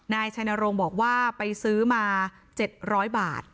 นายชัยนรงค์บอกว่าไปซื้อมา๗๐๐บาท